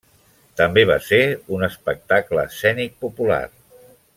També va ser un espectacle escènic popular.